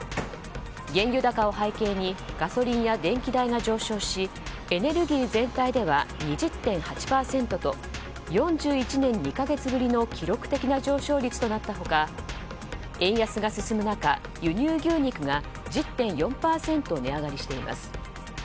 原油高を背景にガソリンや電気代が上昇しエネルギー全体では２０．８％と４１年２か月ぶりの記録的な上昇率となった他円安が進む中、輸入牛肉が１０．４％値上がりしています。